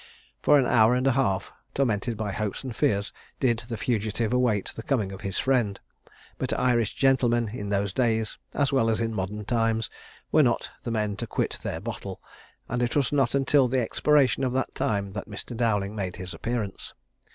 For an hour and a half, tormented by hopes and fears, did the fugitive await the coming of his friend; but Irish gentlemen in those days, as well as in modern times, were not the men to quit their bottle; and it was not until the expiration of that time that Mr. Dowling made his appearance.